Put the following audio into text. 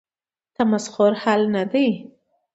تمسخر حل نه دی.